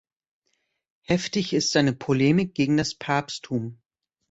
Heftig ist seine Polemik gegen das Papsttum.